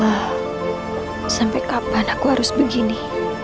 ya allah sampai kapan aku harus begini